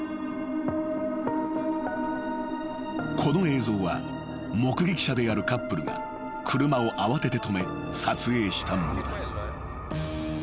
［この映像は目撃者であるカップルが車を慌てて止め撮影したものだ］